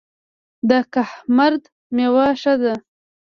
د کهمرد میوه ښه ده